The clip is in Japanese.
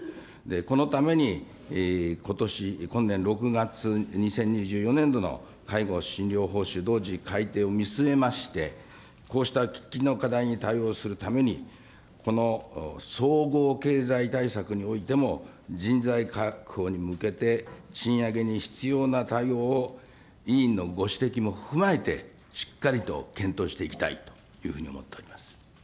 このためにことし、今年６月、２０２４年度の介護診療報酬同時改定を見据えまして、こうした喫緊の課題に対応するために、この総合経済対策においても、人材確保に向けて賃上げに必要な対応を、委員のご指摘も踏まえて、しっかりと検討していきたいというふうに思っております。